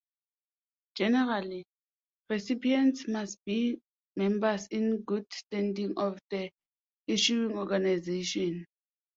Generally, recipients must be members in good standing of the issuing organisation.